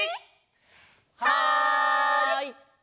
はい！